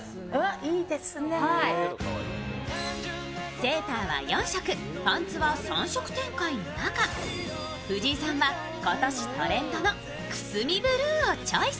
セーターは４色、パンツは３色展開の中、藤井さんは今年トレンドのくすみブルーをチョイス。